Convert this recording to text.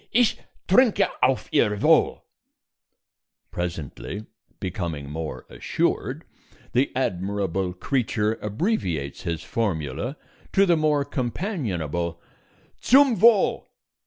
ich trinke auf Ihr Wohl!_" Presently, becoming more assured, the admirable creature abbreviates his formula to the more companionable "_zum Wohl!